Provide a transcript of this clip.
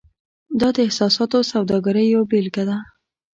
دا د احساساتو سوداګرۍ یوه بیلګه ده.